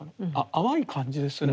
淡い感じですね。